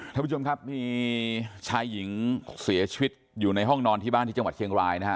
ท่านผู้ชมครับมีชายหญิงเสียชีวิตอยู่ในห้องนอนที่บ้านที่จังหวัดเชียงรายนะฮะ